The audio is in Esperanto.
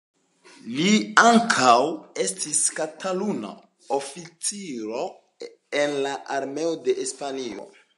Li ankaŭ estis Kataluna oficiro en la Armeo de Hispanio.